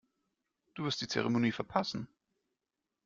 Du wirst die Zeremonie verpassen.